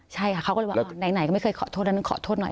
ใช่ค่ะเขาก็เลยบอกไหนก็ไม่เคยขอโทษอันนั้นขอโทษหน่อย